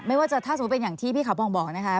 ว่าจะถ้าสมมุติเป็นอย่างที่พี่เขาปองบอกนะคะ